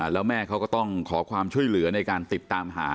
แล้วแม่เขาก็ต้องขอความช่วยเหลือในการติดตามหา